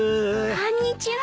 こんにちは。